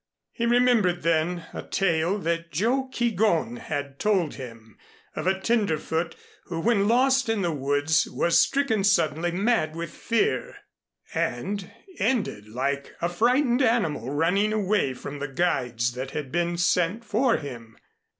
He remembered, then, a tale that Joe Keegón had told him of a tenderfoot, who when lost in the woods was stricken suddenly mad with fear and, ended like a frightened animal running away from the guides that had been sent for him.